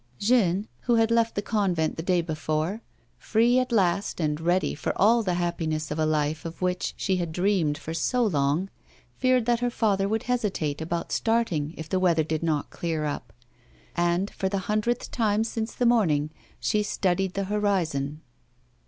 Jeanne, who had left the convent the day before, free at last and ready for all the hai)piness of a life of which she had dreamed for so long, feared that her father would hesi tate about starting if the weather did not clear up, and, for the hundredth time since the morning, she studied the horizon.